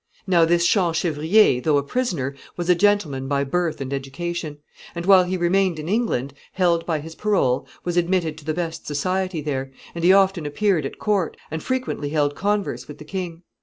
] Now this Champchevrier, though a prisoner, was a gentleman by birth and education; and while he remained in England, held by his parole, was admitted to the best society there, and he often appeared at court, and frequently held converse with the king.